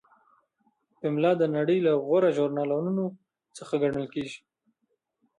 پملا د نړۍ له غوره ژورنالونو څخه ګڼل کیږي.